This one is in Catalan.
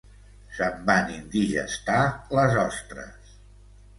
Se'm van indigestar les ostres.